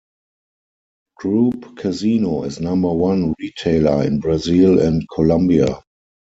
Groupe Casino is number one retailer in Brazil and Colombia.